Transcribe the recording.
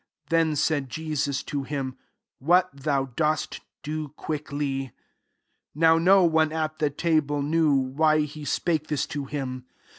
* Then said Jesus to him; What thou dost, do quickly." 28 Now no one at the table knew why he spake this to him.